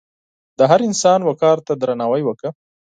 د هر انسان وقار ته درناوی وکړه.